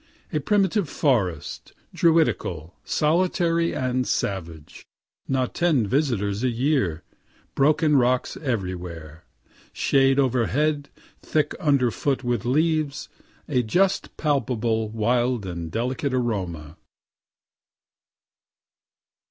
A primitive forest, druidical, solitary and savage not ten visitors a year broken rocks everywhere shade overhead, thick underfoot with leaves a just palpable wild and delicate aroma.